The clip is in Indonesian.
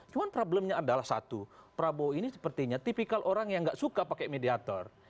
cuma problemnya adalah satu prabowo ini sepertinya tipikal orang yang gak suka pakai mediator